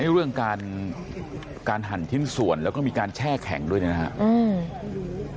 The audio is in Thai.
นี่เรื่องการการหั่นชิ้นส่วนแล้วก็มีการแช่แข็งด้วยนะครับ